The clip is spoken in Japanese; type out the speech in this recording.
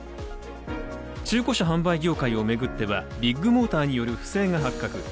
中古車販売業界を巡っては、ビッグモーターによる不正が発覚。